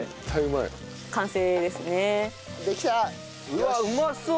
うわっうまそう！